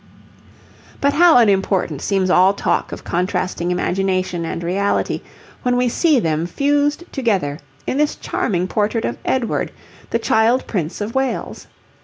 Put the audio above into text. But how unimportant seems all talk of contrasting imagination and reality when we see them fused together in this charming portrait of Edward, the child Prince of Wales.